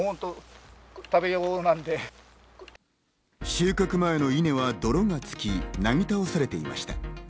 収穫前の稲は泥がつき、なぎ倒されていました。